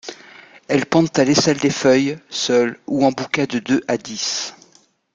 Elles pendent à l'aisselle des feuilles, seules ou en bouquets de deux à dix.